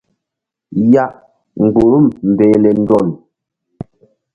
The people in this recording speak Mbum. Ya mgbuhrum mbehle ndol.